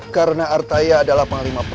karena artaya adalah pengalamanku